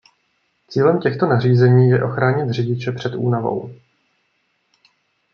Cílem těchto nařízení je ochránit řidiče před únavou.